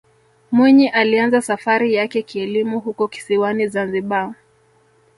mwinyi alianza safari yake kielimu huko kisiwani zanzibar